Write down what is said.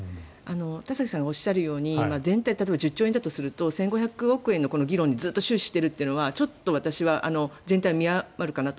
田崎さんがおっしゃるように全体が１０兆円だとすると１５００億円の議論にずっと終始しているのは全体を見誤るかなと。